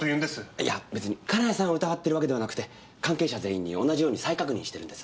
いや別に金谷さんを疑ってるわけではなくて関係者全員に同じように再確認してるんです。